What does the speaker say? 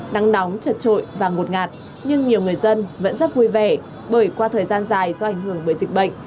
nắng nóng chật trội và ngột ngạt nhưng nhiều người dân vẫn rất vui vẻ bởi qua thời gian dài do ảnh hưởng bởi dịch bệnh